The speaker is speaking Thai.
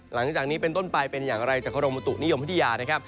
หลังจากนี้เป็นต้นปลายเป็นอย่างอะไรจากขรมวตุนิยมพฤติยา